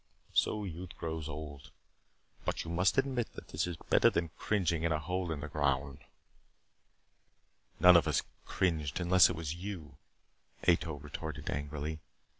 So youth grows old. But you must admit that this is better than cringing in a hole in the ground " "None of us cringed, unless it was you," Ato retorted angrily.